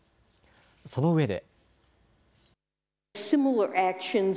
そのうえで。